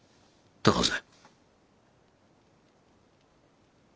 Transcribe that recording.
高瀬。